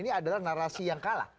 ini adalah narasi yang kalah